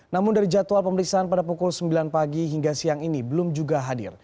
namun dari jadwal pemeriksaan pada pukul sembilan pagi hingga siang ini belum juga hadir